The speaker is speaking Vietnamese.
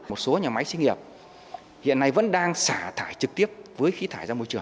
một số nhà máy sinh nghiệp hiện nay vẫn đang xả thải trực tiếp với khí thải ra môi trường